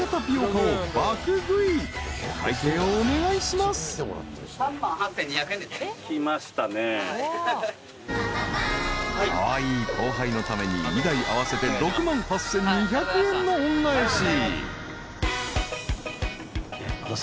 ［カワイイ後輩のために２台合わせて６万８，２００円の恩返し］